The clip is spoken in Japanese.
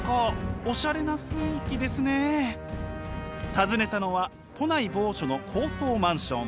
訪ねたのは都内某所の高層マンション。